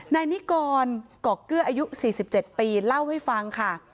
นายนิกรกอกเกื้ออายุ๔๗ปีเล่าให้ฟังค่ะ